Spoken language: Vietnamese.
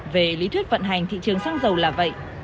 về lý thuyết vận hành thị trường xăng dầu là vậy